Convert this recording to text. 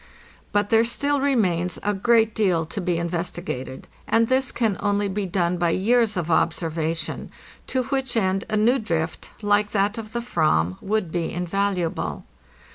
But there still remains a great deal to be investigated, and this can only be done by years of observation, to which end a new drift, like that of the "vam, would be invaluable.